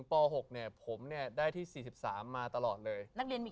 ผมเนี่ยได้ที่๔๓มาตลอดเลย